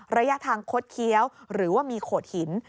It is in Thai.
ระยะทางคดเคี้ยวหรือว่ามีโขดหิน